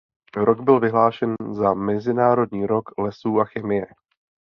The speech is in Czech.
Rok byl vyhlášen za mezinárodní rok lesů a chemie.